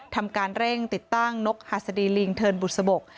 ทำการเร่งติดตั้งนกหัสดีลิงเทินบุษบก